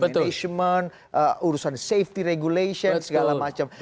management urusan safety regulation segala macam